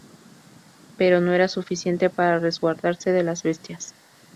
Pero no era suficiente para resguardarse de las bestias.